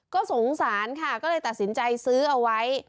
ก็สงสารค่ะก็เลยตัดสินใจซื้อเอาไว้